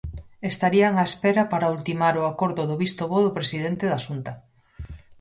Estarían á espera para ultimar o acordo do visto bo do presidente da Xunta.